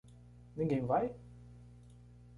Ninguém vai?